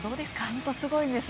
本当すごいです。